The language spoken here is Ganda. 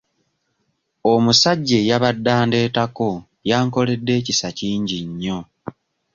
Omusajja eyabadde andeetako yankoledde ekisa kingi nnyo.